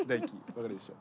分かるでしょ。